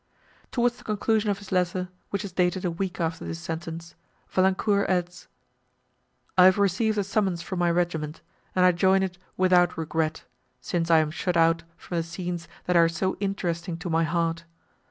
Towards the conclusion of his letter, which is dated a week after this sentence, Valancourt adds, "I have received a summons from my regiment, and I join it without regret, since I am shut out from the scenes that are so interesting to my heart.